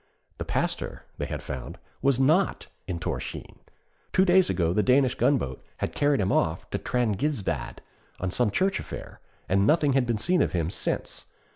The Pastor, they had found, was not in Thorshavn; two days ago the Danish gun boat had carried him off to Trangisvaag on some church affair, and nothing had been seen of him since.